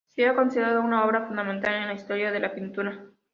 Se ha considerado obra fundamental en la historia de la pintura.